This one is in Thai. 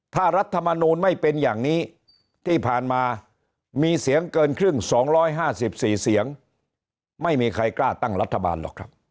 ถ้ารัฐมนูลไม่เป็นอย่างนี้ที่ผ่านมามีเสียงเกินครึ่ง๒๕๔เสียงไม่มีใครกล้าตั้งรัฐบาลหรอกครับ